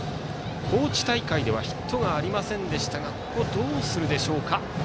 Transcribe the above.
高知大会ではヒットがありませんでしたがここはどうするでしょうか。